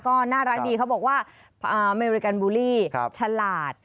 ก็น่ารักดีเขาบอกว่าอเมริกันบูลลี่ฉลาด